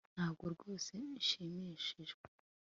Ntabwo rwose nshimishijwe